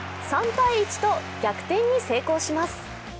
３−１と逆転に成功します。